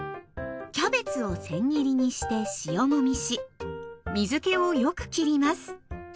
キャベツをせん切りにして塩もみし水けをよくきります。